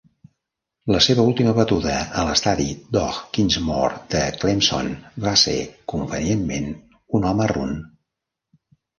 La seva última batuda a l'Estadi Doug Kingsmore de Clemson va ser, convenientment, un home run.